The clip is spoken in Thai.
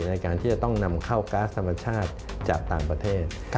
ในการที่จะต้องนำเข้าก๊าซธรรมชาติจากต่างประเทศ